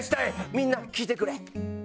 「みんな聞いてくれ」